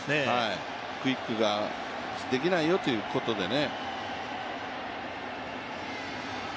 クイックができないよということでね。